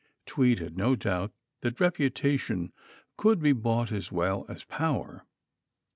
Tweed had no doubt that reputation could be bought as well as power.